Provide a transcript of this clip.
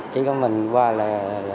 chỉ có mình qua là